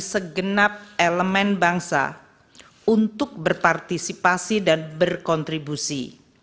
segenap elemen bangsa untuk berpartisipasi dan berkontribusi